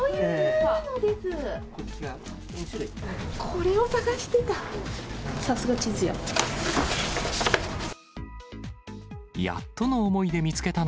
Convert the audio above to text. これを探してた。